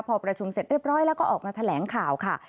พอประชุมเสร็จเรียบร้อยแล้วก็ออกมาแถลงข่าวค่ะ